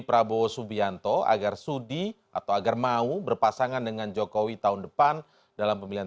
prabowo subianto agar sudi atau agar mau berpasangan dengan jokowi tahun depan dalam pemilihan